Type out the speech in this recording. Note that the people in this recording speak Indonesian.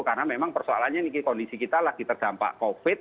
karena memang persoalannya ini kondisi kita lagi terdampak covid sembilan belas